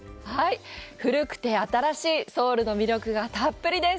古くて新しいソウルの魅力がたっぷりです。